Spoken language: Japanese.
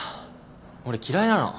俺嫌いなの。